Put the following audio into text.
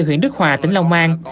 huyện đức hòa tỉnh long an